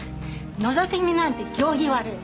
のぞき見なんて行儀悪い！